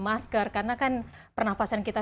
masker karena kan pernafasan kita